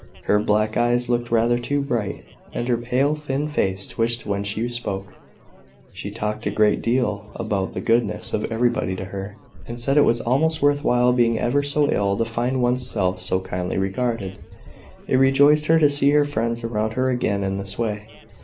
Her black eyes looked rather too bright, and her pale thin face twitched when she spoke. She talked a great deal about the goodness of everybody to her, and said it was almost worth while being ever so ill to find one's self so kindly regarded. It rejoiced her to see her friends around her again in this way.